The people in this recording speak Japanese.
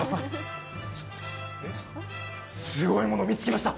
ちょっと、すごいもの見つけました。